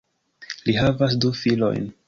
Li havas du filojn.